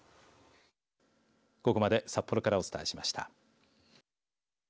ここまで札幌からお伝えしました。